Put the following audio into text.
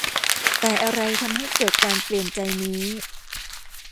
แต่อะไรทำให้เกิดการเปลี่ยนใจนี้